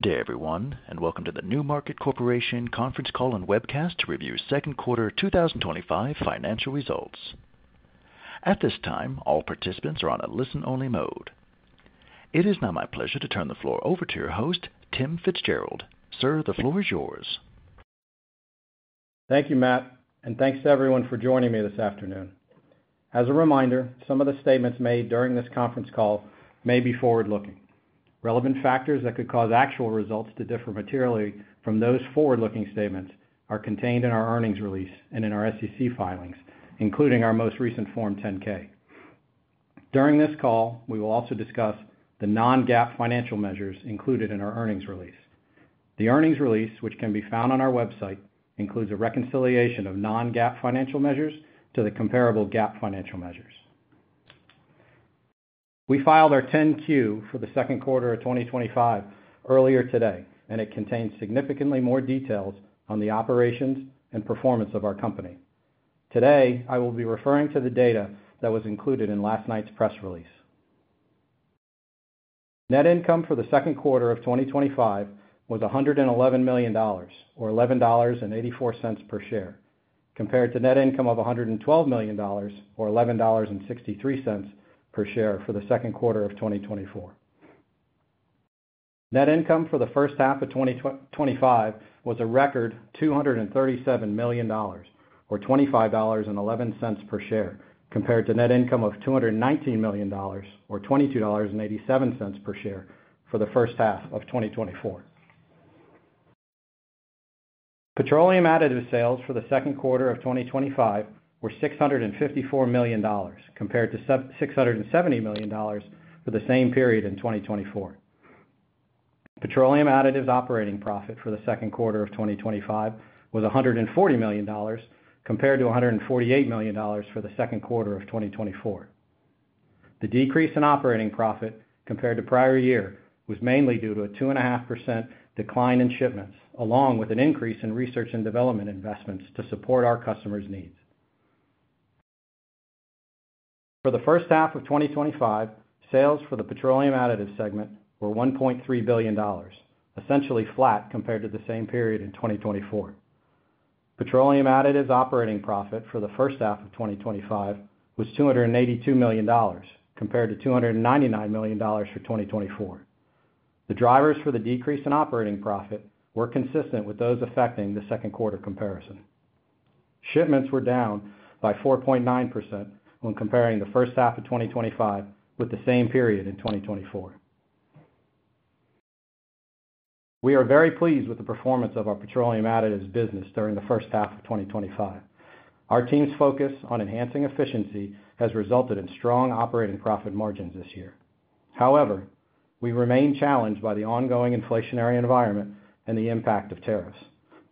Good day, everyone, and welcome to the NewMarket Corporation conference call and webcast to review second quarter 2025 financial results. At this time, all participants are on a listen-only mode. It is now my pleasure to turn the floor over to your host, Tim Fitzgerald. Sir, the floor is yours. Thank you, Matt, and thanks to everyone for joining me this afternoon. As a reminder, some of the statements made during this conference call may be forward-looking. Relevant factors that could cause actual results to differ materially from those forward-looking statements are contained in our earnings release and in our SEC filings, including our most recent Form 10-K. During this call, we will also discuss the non-GAAP financial measures included in our earnings release. The earnings release, which can be found on our website, includes a reconciliation of non-GAAP financial measures to the comparable GAAP financial measures. We filed our 10-Q for the second quarter of 2025 earlier today, and it contains significantly more details on the operations and performance of our company. Today, I will be referring to the data that was included in last night's press release. Net income for the second quarter of 2025 was $111 million, or $11.84 per share, compared to net income of $112 million, or $11.63 per share for the second quarter of 2024. Net income for the first half of 2025 was a record $237 million, or $25.11 per share, compared to net income of $219 million, or $22.87 per share for the first half of 2024. Petroleum additives sales for the second quarter of 2025 were $654 million, compared to $670 million for the same period in 2024. Petroleum additives operating profit for the second quarter of 2025 was $140 million, compared to $148 million for the second quarter of 2024. The decrease in operating profit compared to prior year was mainly due to a 2.5% decline in shipments, along with an increase in research and development investments to support our customers' needs. For the first half of 2025, sales for the petroleum additives segment were $1.3 billion, essentially flat compared to the same period in 2024. Petroleum additives operating profit for the first half of 2025 was $282 million, compared to $299 million for 2024. The drivers for the decrease in operating profit were consistent with those affecting the second quarter comparison. Shipments were down by 4.9% when comparing the first half of 2025 with the same period in 2024. We are very pleased with the performance of our petroleum additives business during the first half of 2025. Our team's focus on enhancing efficiency has resulted in strong operating profit margins this year. However, we remain challenged by the ongoing inflationary environment and the impact of tariffs,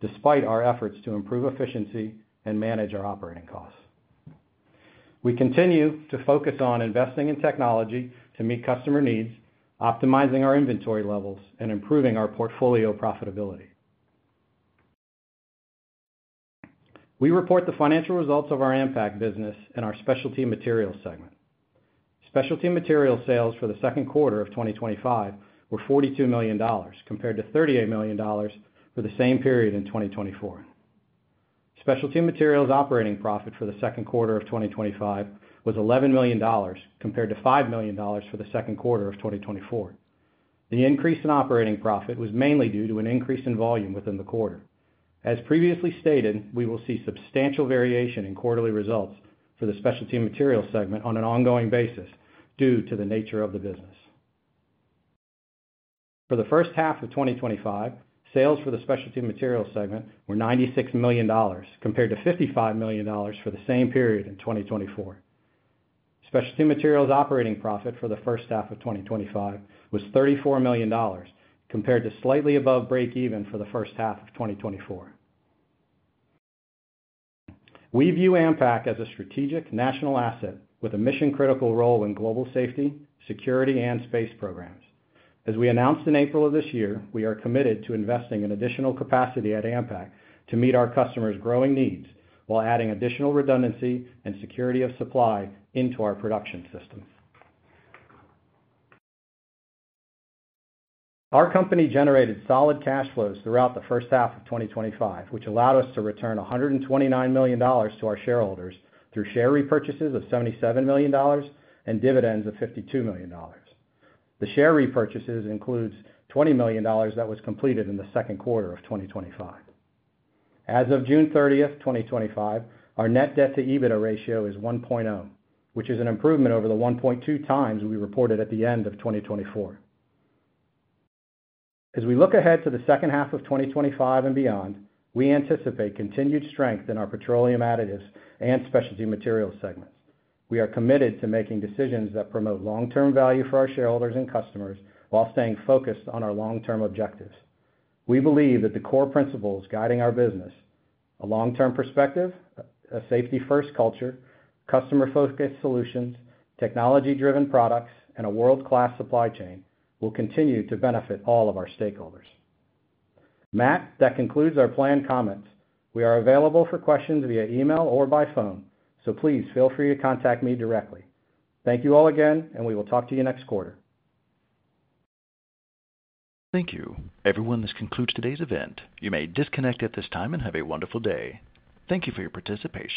despite our efforts to improve efficiency and manage our operating costs. We continue to focus on investing in technology to meet customer needs, optimizing our inventory levels, and improving our portfolio profitability. We report the financial results of our AMPAC business and our specialty materials segment. Specialty materials sales for the second quarter of 2025 were $42 million, compared to $38 million for the same period in 2024. Specialty materials operating profit for the second quarter of 2025 was $11 million, compared to $5 million for the second quarter of 2024. The increase in operating profit was mainly due to an increase in volume within the quarter. As previously stated, we will see substantial variation in quarterly results for the specialty materials segment on an ongoing basis due to the nature of the business. For the first half of 2025, sales for the specialty materials segment were $96 million, compared to $55 million for the same period in 2024. Specialty materials operating profit for the first half of 2025 was $34 million, compared to slightly above break-even for the first half of 2024. We view AMPAC as a strategic national asset with a mission-critical role in global safety, security, and space programs. As we announced in April of this year, we are committed to investing in additional capacity at AMPAC to meet our customers' growing needs while adding additional redundancy and security of supply into our production systems. Our company generated solid cash flows throughout the first half of 2025, which allowed us to return $129 million to our shareholders through share repurchases of $77 million and dividends of $52 million. The share repurchases include $20 million that was completed in the second quarter of 2025. As of June 30, 2025, our net debt-to-EBITDA ratio is 1.0, which is an improvement over the 1.2x we reported at the end of 2024. As we look ahead to the second half of 2025 and beyond, we anticipate continued strength in our petroleum additives and specialty materials segment. We are committed to making decisions that promote long-term value for our shareholders and customers while staying focused on our long-term objectives. We believe that the core principles guiding our business—a long-term perspective, a safety-first culture, customer-focused solutions, technology-driven products, and a world-class supply chain—will continue to benefit all of our stakeholders. Matt, that concludes our planned comments. We are available for questions via email or by phone, so please feel free to contact me directly. Thank you all again, and we will talk to you next quarter. Thank you. Everyone, this concludes today's event. You may disconnect at this time and have a wonderful day. Thank you for your participation.